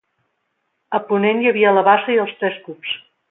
A ponent hi havia la bassa i els tres cups.